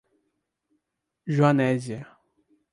Joanésia